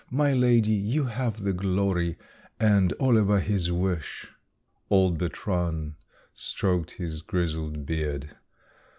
My lady, you have the glory, and Oliver his wish.' "Old Bertrand stroked his grizzled beard.